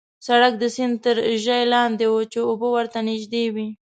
سړک د سیند تر ژۍ لاندې وو، چې اوبه ورته نژدې وې.